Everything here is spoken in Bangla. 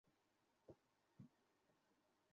দয়া করে বোঝার চেষ্টা করুন।